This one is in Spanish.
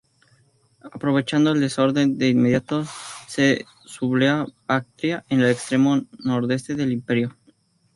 Aprovechando el desorden, de inmediato se subleva Bactria, en el extremo nordeste del imperio.